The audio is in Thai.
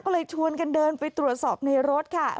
ก็เลยชวนกันเดินไปตรวจสอบในรถค่ะ